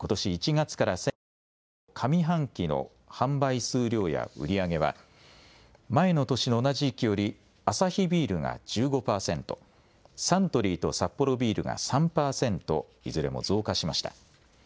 １月から先月までの上半期の販売数量や売り上げは前の年の同じ時期よりアサヒビールが１５％、サントリーとサッポロビールが３％、いずれも増加しました。